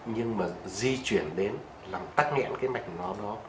nhưng mà di chuyển đến làm tắt ngẽn cái mạch nó đó